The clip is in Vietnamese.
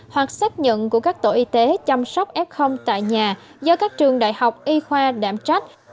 hoặc xác nhận của các tổ y tế chăm sóc f tại nhà do các trường đại học y khoa đảm trách